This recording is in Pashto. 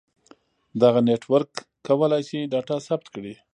دغه نیټورک کولای شي ډاټا ثبت کړي.